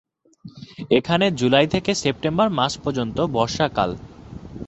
এখানে জুলাই থেকে সেপ্টেম্বর মাস পর্যন্ত বর্ষাকাল।